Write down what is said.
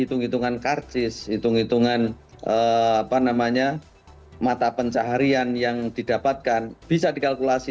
hitung hitungan karcis hitung hitungan apa namanya mata pencaharian yang didapatkan bisa dikalkulasi